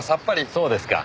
そうですか。